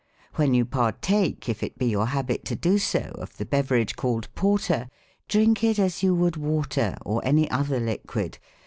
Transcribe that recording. When you partake, if it be your habit to do so, of the beverage called porter, drink it as you would wa ter, or any other liquid.